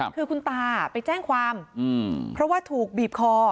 คือคุณตาไปแจ้งความเพราะว่าถูกบีบคอ